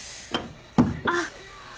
あっ！